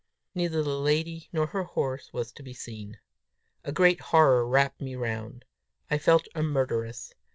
Neither the lady nor her horse was to be seen. A great horror wrapt me round. I felt a murderess.